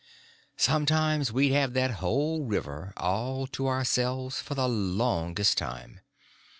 Sometimes we'd have that whole river all to ourselves for the longest time.